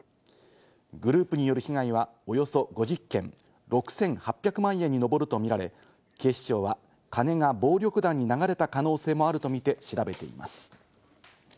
グループによる被害はおよそ５０件、６８００万円にのぼるとみられ、警視庁はカネが暴力団に流れた可能性もあるとみて調べています。